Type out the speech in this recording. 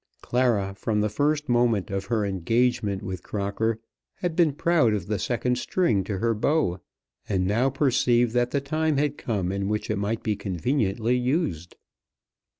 Clara from the first moment of her engagement with Crocker had been proud of the second string to her bow, and now perceived that the time had come in which it might be conveniently used.